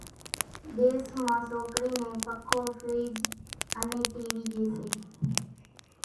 ۮيس مان سوڪرِي نين پکو، ڦِرج انين ٽِي وِي ڄيَ سي۔